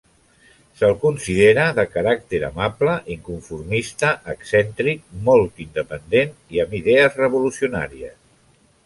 Se'l considera de caràcter amable, inconformista, excèntric, molt independent i amb idees revolucionàries.